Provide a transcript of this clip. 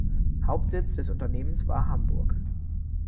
Hauptsitz des Unternehmens war Hamburg.